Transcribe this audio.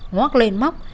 ngoác lên móc